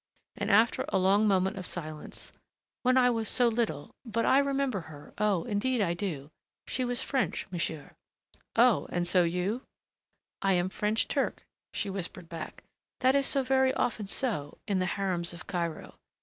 And after a long moment of silence, "When I was so little but I remember her, oh, indeed I do ... She was French, monsieur." "Oh! And so you " "I am French Turk," she whispered back. "That is very often so in the harems of Cairo....